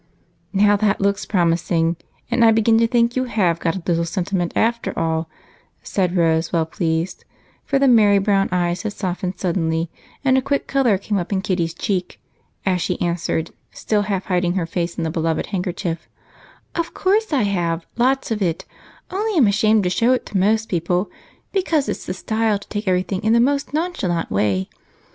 "Now, that looks promising, and I begin to think you have got a little sentiment after all," said Rose, well pleased, for the merry brown eyes had softened suddenly and a quick color came up in Kitty's cheek as she answered, still half hiding her face in the beloved handkerchief: "Of course I have, lots of it, only I'm ashamed to show it to most people, because it's the style to take everything in the most nonchalant way.